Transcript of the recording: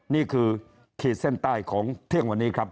นี่คือเขตเส้นใต้ของเที่ยงวันนี้ครับ